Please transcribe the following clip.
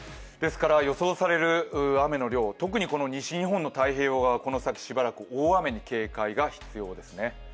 予想される雨の量、特に西日本の太平洋側はこの先しばらく大雨に警戒が必要ですね。